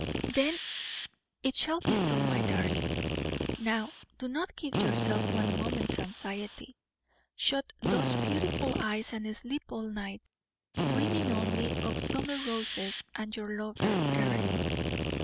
"Then it shall be so, my darling! Now, do not give yourself one moment's anxiety. Shut those beautiful eyes and sleep all night, dreaming only of summer roses and your lover, Earle.